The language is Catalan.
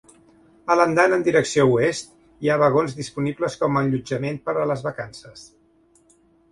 A l'andana en direcció oest hi ha vagons disponibles com allotjament per a les vacances.